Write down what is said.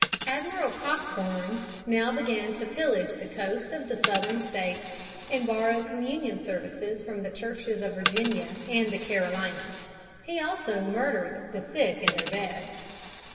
Admiral Cockburn now began to pillage the coast of the Southern States and borrow communion services from the churches of Virginia and the Carolinas. He also murdered the sick in their beds.